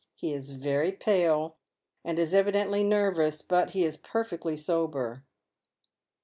He is very pale, and is evidently nervous ; but he is perfectly sober.